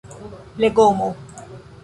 legomo